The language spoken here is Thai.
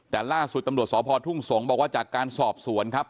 แต่ล่าสุดตำรวจสพทุ่งสงศ์บอกว่าจากการสอบสวนครับ